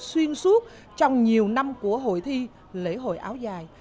xuyên suốt trong nhiều năm của hội thi lễ hội áo dài